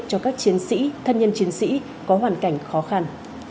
cho các chiến sĩ thân nhân chiến sĩ có hoàn cảnh khó khăn